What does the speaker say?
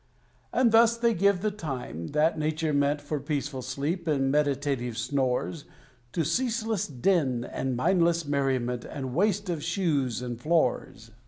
And thus they give the time, that Nature meant For peaceful sleep and meditative snores, To ceaseless din and mindless merriment And waste of shoes and floors.